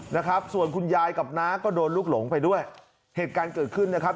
นะครับส่วนคุณยายกับน้าก็โดนลูกหลงไปด้วยเหตุการณ์เกิดขึ้นนะครับ